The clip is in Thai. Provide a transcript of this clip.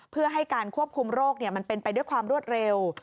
เพื่อให้การควบคุมโรคมันเป็นไปด้วยความรวดเร็ว